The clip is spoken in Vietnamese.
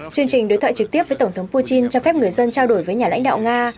chương trình đối thoại trực tiếp với tổng thống putin cho phép người dân trao đổi với nhà lãnh đạo nga